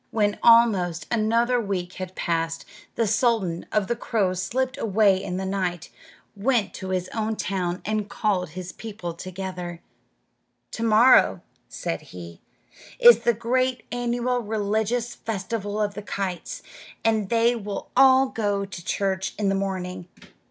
When almost another week had passed, the sultan of the crows slipped away in the night, went to his own town, and called his people together. "To morrow," said he, "is the great annual religious festival of the kites, and they will all go to church in the morning.